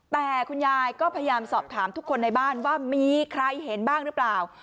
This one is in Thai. แต่คุณยายก็พยายามสอบถามทุกคนในบ้านว่ามีใครเห็นบ้างหรือเปล่า